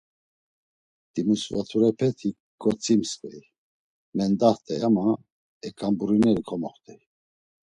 Timisvaturepeti ǩotzimsǩvey, mendaxt̆ey ama eǩamburineri komoxt̆ey.